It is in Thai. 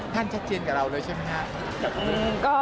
ท่านชัดเจนกับเราเลยใช่ไหมคะ